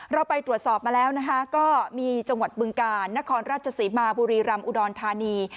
เราไปตรวจสอบมาแล้วนะคะก็มีจังหวัดบึงกาลนครราชศรีมาบุรีรำอุดรธานี